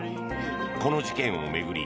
この事件を巡り